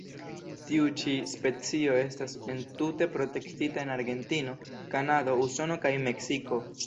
Tiu ĉi specio estas entute protektita en Argentino, Kanado, Usono kaj Meksiko.